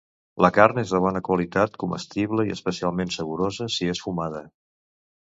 La carn és de bona qualitat comestible i especialment saborosa si és fumada.